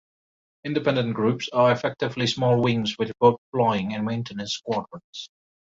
Independent groups are effectively small wings with both flying and maintenance squadrons.